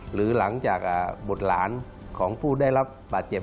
หรือหลังจากบุตรหลานของผู้ได้รับบาดเจ็บ